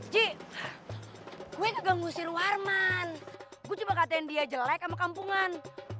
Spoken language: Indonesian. ji gue juga ngusir warman gue cuma katanya dia jelek sama kampungan